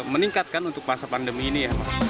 meningkatkan untuk masa pandemi ini ya